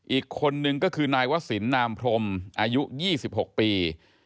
อีกคนนึงก็คือนายวศิลปนามพรมอายุ๒๖ปี